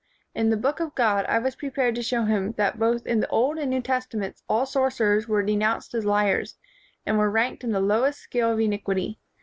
In the Book of God I was prepared to show him that both in the Old and New Testaments all sorcerers were de nounced as liars, and were ranked in the lowest scale of iniquity.